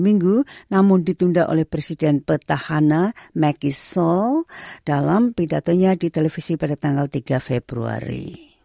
minggu namun ditunda oleh presiden petahana makis seoul dalam pidatonya di televisi pada tanggal tiga februari